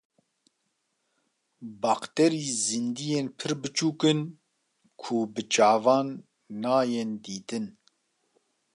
Bakterî zindiyên pir biçûk in ku bi çavan nayên dîtin.